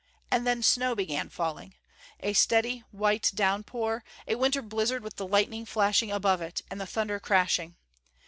And then snow began falling. A steady white downpour, a winter blizzard with the lightning flashing above it, and the thunder crashing.